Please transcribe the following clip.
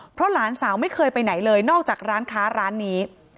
เพราะหลานสาวไม่เคยไปไหนเลยนอกจากร้านค้าร้านนี้